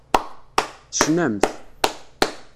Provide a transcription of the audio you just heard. Tecnamt.